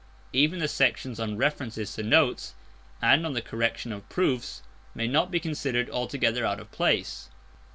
Even the sections on references to notes and on the correction of proofs may not be considered altogether out of place.